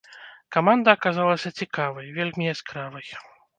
Каманда аказалася цікавай, вельмі яскравай.